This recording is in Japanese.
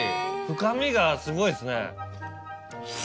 深みがすごいですね。